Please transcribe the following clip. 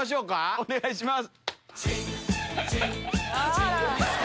お願いします。